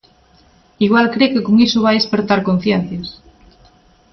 Igual cre que con iso vai espertar conciencias.